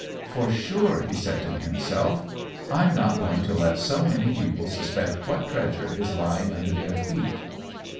"For sure," he said to himself, "I'm not going to let so many people suspect what treasure is lying under their feet."